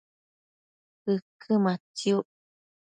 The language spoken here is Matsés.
ëquë matsiuc